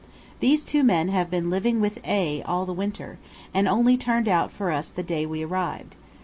These two men have been living with A all the winter, and only turned out for us the day we arrived.